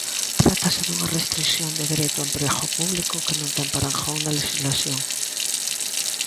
Trátase dunha restrición do dereito ao emprego público que non ten parangón na lexislación.